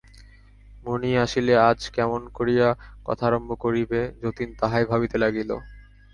মণি আসিলে আজ কেমন করিয়া কথা আরম্ভ করিবে, যতীন তাহাই ভাবিতে লাগিল।